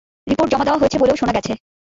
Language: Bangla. রিপোর্ট জমা দেওয়া হয়েছে বলেও শোনা গেছে।